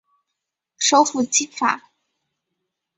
首府基法。